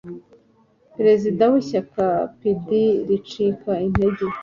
perezida w ishyaka pdi ricika intege